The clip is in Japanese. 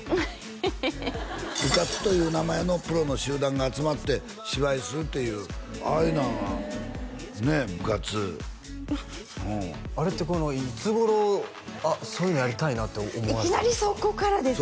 ヘヘヘ部活という名前のプロの集団が集まって芝居するというああいうなんはねえ部活フフフあれっていつ頃あっそういうのやりたいなっていきなりそこからですか？